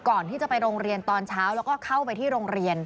ก่อนที่จะไปโรงเรียนตอนเช้าแล้วก็เข้าไปที่โรงเรียน